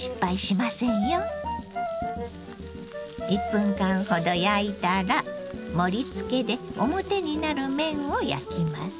１分間ほど焼いたら盛りつけで表になる面を焼きます。